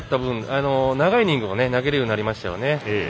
分長いイニングを投げれるようになりましたよね。